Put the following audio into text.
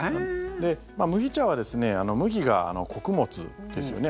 麦茶は麦が穀物ですよね。